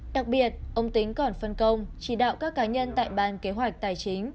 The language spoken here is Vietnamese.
đặc biệt ông tính còn phân công chỉ đạo các cá nhân tại ban kế hoạch tài chính